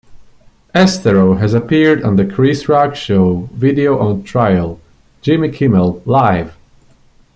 Esthero has appeared on the "Chris Rock Show", "Video on Trial", "Jimmy Kimmel Live!